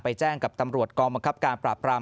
แจ้งกับตำรวจกองบังคับการปราบปราม